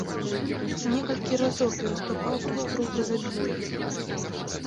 Некалькі разоў пераступаў праз трупы забітых.